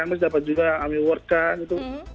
anmes dapat juga army award kan gitu